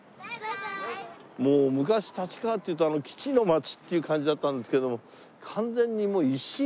もう昔立川っていうと基地の街っていう感じだったんですけども完全に一新したね。